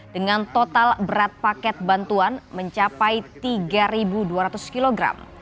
dengan total berat paket bantuan mencapai tiga dua ratus kg